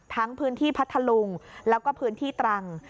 พื้นที่พัทธลุงแล้วก็พื้นที่ตรัง